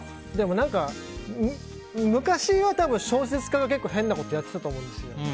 でも、昔は多分小説家が結構変なことやっていたと思うんですよ。